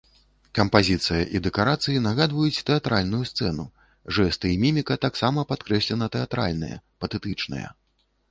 Кампазіцыя і дэкарацыі нагадваюць тэатральную сцэну, жэсты і міміка таксама падкрэслена тэатральныя, патэтычныя.